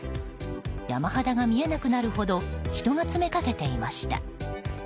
山肌が見えなくなるほど人が詰めかけていました。